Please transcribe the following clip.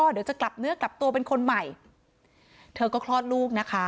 เดี๋ยวจะกลับเนื้อกลับตัวเป็นคนใหม่เธอก็คลอดลูกนะคะ